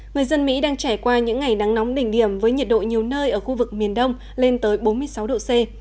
người dân mỹ đang trải qua những ngày nắng nóng đỉnh điểm với nhiệt độ nhiều nơi ở khu vực miền đông lên tới bốn mươi sáu độ c